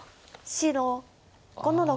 白５の六。